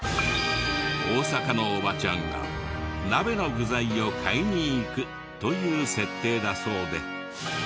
大阪のおばちゃんが鍋の具材を買いに行くという設定だそうで。